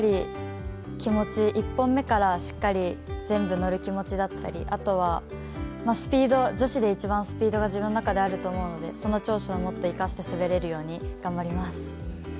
気持ち、１本目からしっかり全部乗る気持ちだったり、あとは、女子で一番スピードが自分が一番あると思うのでその長所を持って、生かして滑れるように頑張ります。